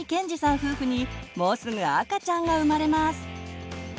夫婦にもうすぐ赤ちゃんが生まれます。